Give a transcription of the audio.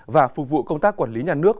và phục vụ công tác quản lý nhà nước